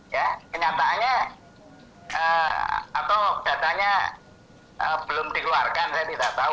ya kenyataannya atau datanya belum dikeluarkan saya tidak tahu